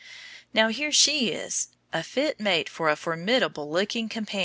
Now here she is a fit mate for her formidable looking companion.